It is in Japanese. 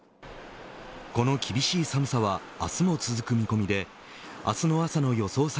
この厳しい寒さは明日も続く見込みで明日の朝の予想